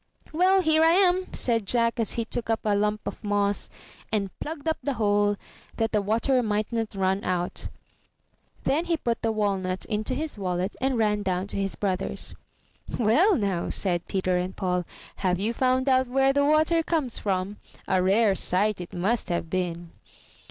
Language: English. ''Well, here I am," said Jack, as he took up a lump of moss, and plugged up the hole, that the water mightn't run out. Then he put the walnut into his wallet, and ran down to his brothers. Well, now," said Peter and Paul, ''have you found out where the water comes from? A rare sight it must have been!"